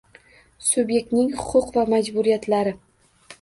Subyektning huquq va majburiyatlari